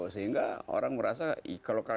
sehingga orang merasa